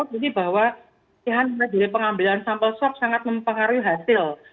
karena kita tahu bahwa pelatihan dari pengambilan sampel swab sangat mempengaruhi hasil